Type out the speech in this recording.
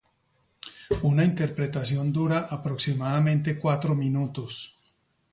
Una interpretación dura aproximadamente cuatro minutos.